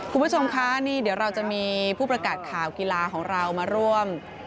คุณผู้ชมคะนี่เดี๋ยวเราจะมีผู้ประกาศข่าวกีฬาของเรามาร่วม